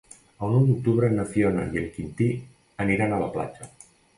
El nou d'octubre na Fiona i en Quintí aniran a la platja.